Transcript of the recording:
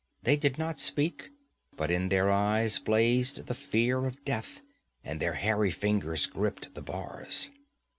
They did not speak, but in their eyes blazed the fear of death, and their hairy fingers gripped the bars.